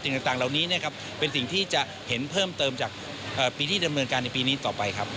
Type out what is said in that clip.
ต่างเหล่านี้เป็นสิ่งที่จะเห็นเพิ่มเติมจากปีที่ดำเนินการในปีนี้ต่อไปครับ